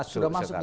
kan sudah masuk